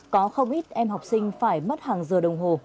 có không ít em học sinh phải mất hàng giờ đồng hồ